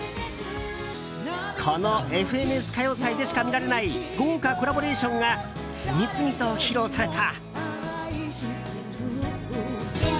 この「ＦＮＳ歌謡祭」でしか見られない豪華コラボレーションが次々と披露された。